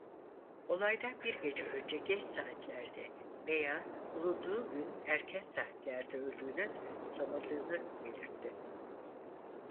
Olaydan bir gece önce geç saatlerde veya bulunduğu gün erken saatlerde öldüğünün sanıldığını belirtti.